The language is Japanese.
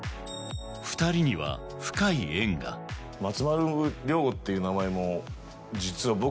２人には深い縁が実は。